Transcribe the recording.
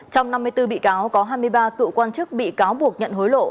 trong năm mươi bốn bị cáo có hai mươi ba cựu quan chức bị cáo buộc nhận hối lộ